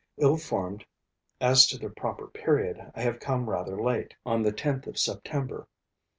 Ill informed as to the proper period, I have come rather late, on the 10th of September.